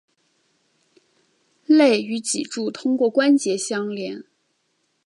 肋与脊柱通过关节相连。